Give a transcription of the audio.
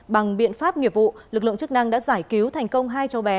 bằng biện pháp nghiệp vụ lực lượng chức năng đã giải cứu thành công hai cháu bé